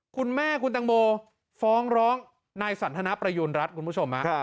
คุณแม่คุณตังโมฟ้องร้องนายสันทนประยูณรัฐคุณผู้ชม